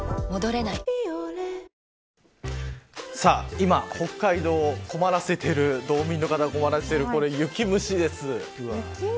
今、北海道を困らせている道民の方を困らせている雪虫です。